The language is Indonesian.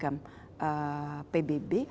ada di apa namanya pihakam pbb